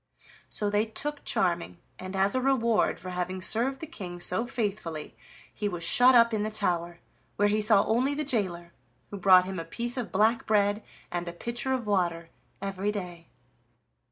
So they took Charming, and as a reward for having served the King so faithfully he was shut up in the tower, where he only saw the jailer, who brought him a piece of black bread and a pitcher of water every day.